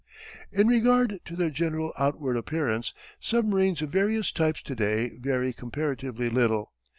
In regard to their general outward appearance, submarines of various types to day vary comparatively little.